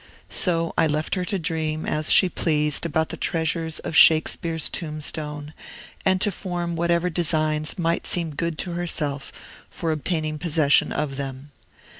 So I left her to dream as she pleased about the treasures of Shakespeare's tombstone, and to form whatever designs might seem good to herself for obtaining possession of them.